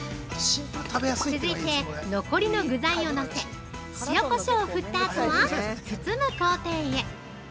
◆続いて、残りの具材をのせ塩こしょうを振ったあとは包む工程へ。